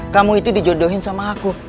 kamu itu dijodohin sama aku